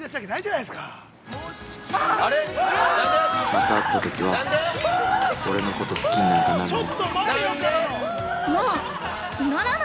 ◆また会ったときは俺のこと好きになんかなるなよ。